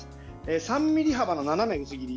３ｍｍ幅の、斜め薄切り。